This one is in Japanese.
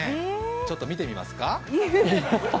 ちょっと見てみますか？